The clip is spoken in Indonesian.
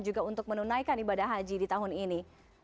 juga untuk menunaikan ibadah haji di tahun ini